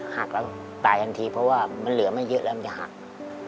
หักแล้วตายทันทีเพราะว่ามันเหลือไม่เยอะแล้วมันจะหัก